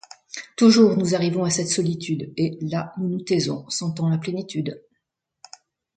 Toujours nous arrivons à cette solitude, Et, là, nous nous taisons, sentant la plénitude!